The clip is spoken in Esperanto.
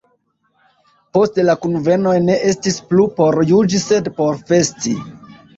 Poste la kunvenoj ne estis plu por juĝi sed por festi.